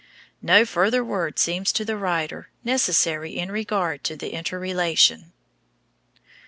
No further word seems to the writer necessary in regard to the interrelation.